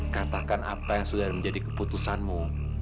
katakan apa yang sudah menjadi keputusanmu